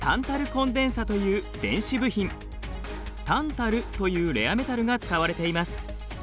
タンタルというレアメタルが使われています。